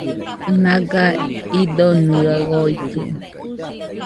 Naga idonɨaɨ oitɨo